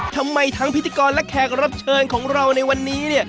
ทำไมทั้งพิธีกรและแขกรับเชิญของเราในวันนี้เนี่ย